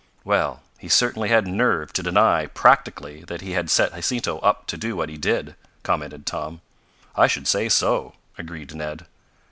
"Well, he certainly had nerve, to deny, practically, that he had set Jacinto up to do what he did," commented Tom. "I should say so!" agreed Ned.